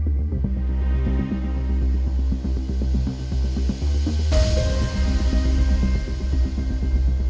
มันกลายเป็นภูมิที่สุดท้าย